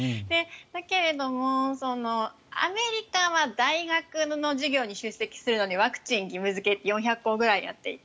だけどもアメリカは大学の授業に出席するのにワクチン義務付けと４００校ぐらいやっていて。